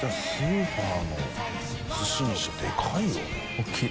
大きい。